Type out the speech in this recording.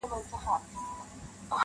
څوك به واچوي سندرو ته نومونه-